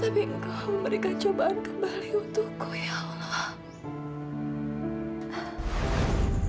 tapi engkau memberikan cobaan kembali untukku ya allah